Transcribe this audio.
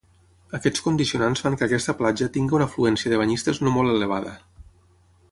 Aquests condicionants fan que aquesta platja tingui una afluència de banyistes no molt elevada.